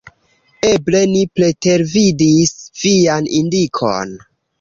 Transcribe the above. Eble ni pretervidis vian indikon.